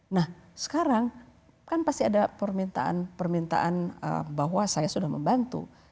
nah sekarang kan pasti ada permintaan permintaan bahwa saya sudah membantu